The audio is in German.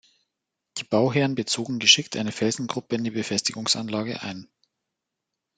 Die Bauherren bezogen geschickt eine Felsengruppe in die Befestigungsanlage ein.